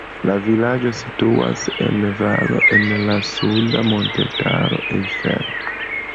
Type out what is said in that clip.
La vilaĝo situas en valo en la suda montetaro Eifel.